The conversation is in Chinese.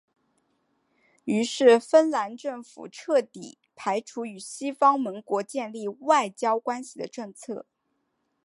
于是芬兰政府彻底排除与西方盟国建立外交关系的政策。